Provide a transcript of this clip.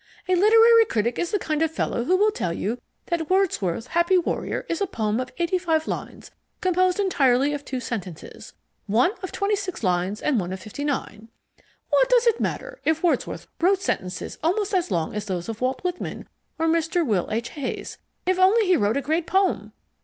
A literary critic is the kind of fellow who will tell you that Wordsworth's Happy Warrior is a poem of 85 lines composed entirely of two sentences, one of 26 lines and one of 59. What does it matter if Wordsworth wrote sentences almost as long as those of Walt Whitman or Mr. Will H. Hays, if only he wrote a great poem?